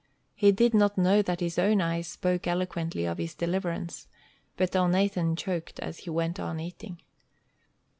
He did not know that his own eyes spoke eloquently of his deliverance, but Elnathan choked as he went on eating.